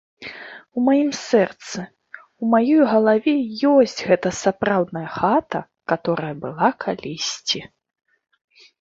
У маім сэрцы, у маёй галаве ёсць гэта сапраўдная хата, каторая была калісьці.